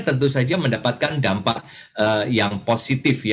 tentu saja mendapatkan dampak yang positif